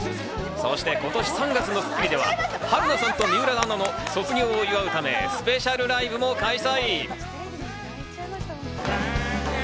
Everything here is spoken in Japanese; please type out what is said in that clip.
そして今年３月の『スッキリ』では春菜さんと水卜アナの卒業を祝うため、スペシャルライブも開催。